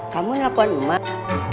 kamu nyapain rumah